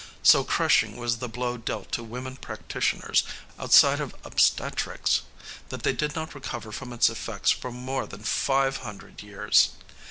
So crushing was the blow dealt to women practitioners, outside of obstetrics, that they did not recover from its effects for more than five hundred years.